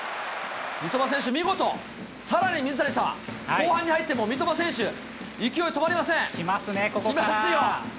三笘選手、見事、さらに水谷さん、後半に入っても三笘選手、勢い止きますね、ここから。きますよ。